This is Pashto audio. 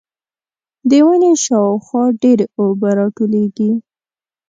د ونې شاوخوا ډېرې اوبه راټولېږي.